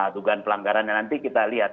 dugaan pelanggarannya nanti kita lihat